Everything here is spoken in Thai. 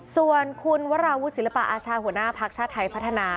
ส่วนคุณวราวุฒิศิลปะอาชาหัวหน้าภักดิ์ชาติไทยพัฒนา